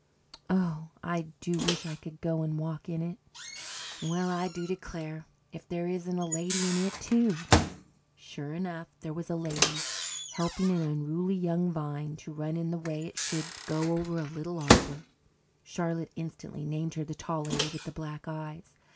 Oh, I do wish I could go and walk in it. Well, I do declare! If there isn't a lady in it, too!" Sure enough, there was a lady, helping an unruly young vine to run in the way it should go over a little arbour. Charlotte instantly named her the Tall Lady with the Black Eyes.